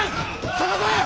捜せ！